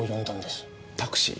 タクシー？